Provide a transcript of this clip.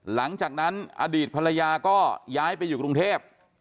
หลังจากนั้นอดีตภรรยาก็ย้ายไปอยู่กรุงเทพ